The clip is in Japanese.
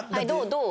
どう？